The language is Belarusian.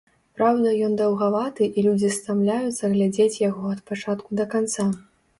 Праўда, ён даўгаваты і людзі стамляюцца глядзець яго ад пачатку да канца.